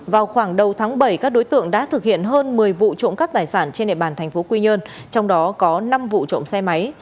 vào khoảng đầu tháng bảy các đối tượng đã thực hiện hơn một mươi vụ trộm cắp tài sản trên địa bàn thành phố quy nhơn trong đó có năm vụ trộm xe máy